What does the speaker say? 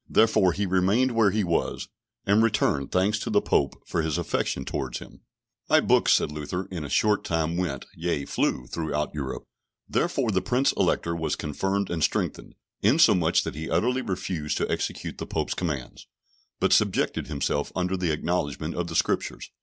Therefore he remained where he was, and returned thanks to the Pope for his affection towards him. My books, said Luther, in a short time went, yea, flew throughout Europe; therefore the Prince Elector was confirmed and strengthened, insomuch that he utterly refused to execute the Pope's commands, but subjected himself under the acknowledgment of the Scriptures.